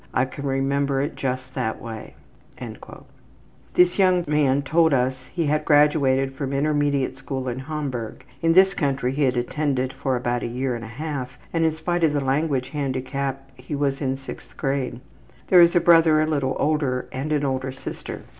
I can remember it just that way.'' This young man told us he had graduated from intermediate school in Hamburg; in this country he had attended for about a year and a half and, in spite of the language handicap, he was in sixth grade. There is a brother a little older and an older sister.